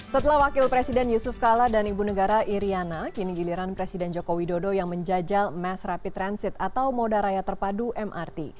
setelah wakil presiden yusuf kala dan ibu negara iryana kini giliran presiden joko widodo yang menjajal mass rapid transit atau moda raya terpadu mrt